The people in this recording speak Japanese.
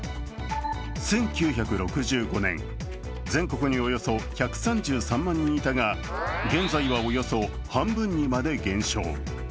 １９６５年、全国におよそ１３３万人いたが現在はおよそ半分にまで減少。